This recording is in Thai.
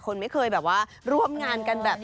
คนไม่เคยแบบว่าร่วมงานกันแบบนี้